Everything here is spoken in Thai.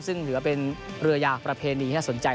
สิ้นหรือถึงเรือยาพระเพณีงานสนใจ